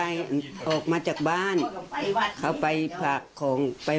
ยายก็ล้มลงเลย